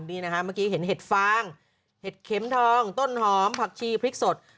นี่นะฮะเมื่อกี้เห็นเห็ดฟางเห็ดเข็มทองต้นหอมผักชีพริกสด